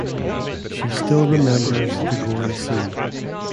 She still remembers the gory scene.